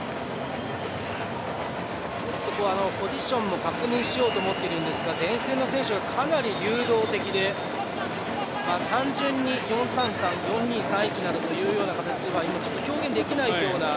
ポジションも確認しようと思っているんですが前線の選手がかなり流動的で単純に４−３−３４−２−３−１などという形では今、表現できないような。